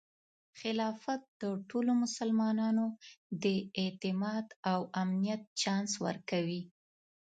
خلافت د ټولو مسلمانانو د اعتماد او امنیت چانس ورکوي.